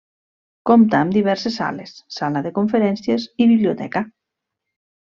Compta amb diverses sales, sala de conferències i biblioteca.